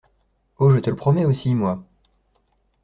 Oh ! je te le promets aussi, moi.